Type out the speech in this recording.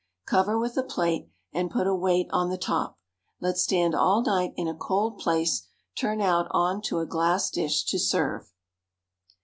cover with a plate and put a weight on the top, let stand all night in a cold place; turn out on to a glass dish to serve.